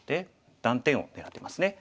断点を狙ってますね。